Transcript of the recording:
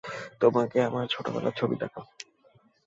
তোমাকে আমার ছোটবেলার ছবি দেখাবো।